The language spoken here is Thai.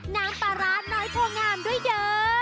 น้ำปลาร้าน้อยโพงามด้วยเด้อ